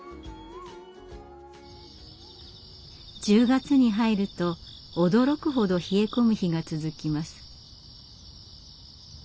１０月に入ると驚くほど冷え込む日が続きます。